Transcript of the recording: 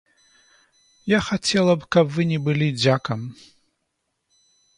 Я хацела б, каб вы не былі дзякам.